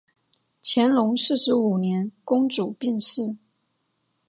乾隆四十五年公主病逝。